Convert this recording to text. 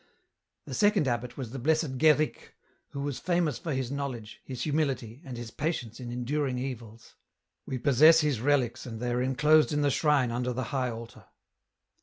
" The second abbot was the Blessed Guerric, who was famous for his knowledge, his humility and his patience in enduring evils. We possess his relics and they are enclosed in the shrine under the high altar.